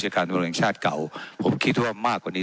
เจ้าหน้าที่ของรัฐมันก็เป็นผู้ใต้มิชชาท่านนมตรี